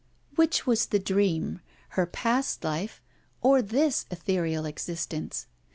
Which was the dream her past life or this ethereal existence?